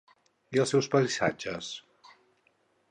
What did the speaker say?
I els seus paisatges?